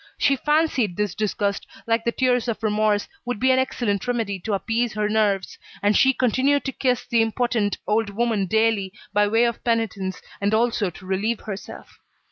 She fancied this disgust, like the tears of remorse, would be an excellent remedy to appease her nerves; and she continued to kiss the impotent old woman daily, by way of penitence, and also to relieve herself.